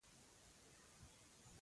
غوماشې د ککړو سیمو له لارې کور ته راځي.